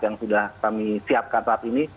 yang sudah kami siapkan saat ini